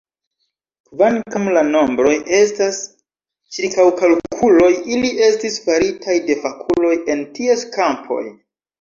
Kvankam la nombroj estas ĉirkaŭkalkuloj, ili estis faritaj de fakuloj en ties kampoj.